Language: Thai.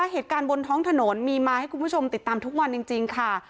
เหตุการณ์บนท้องถนนมีมาให้คุณผู้ชมติดตามทุกวันจริงค่ะ